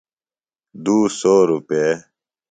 دُو سَوہ روپے۔